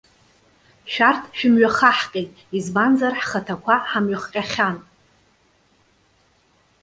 Шәарҭ шәымҩахаҳҟьеит, избанзар ҳхаҭақәа ҳамҩахҟьахьан.